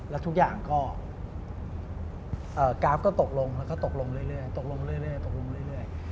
แล้วทุกอย่างก็กราฟก็ตกลงแล้วก็ตกลงเรื่อย